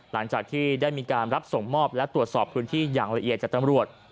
หลังจากที่ได้มีการรับส่งมอบและตรวจสอบพื้นที่อย่างละเอียดจากตำรวจ